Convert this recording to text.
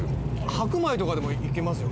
白米とかでもいけますよね。